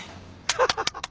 ハハハハ。